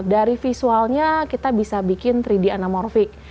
dari visualnya kita bisa bikin tiga d anamorfik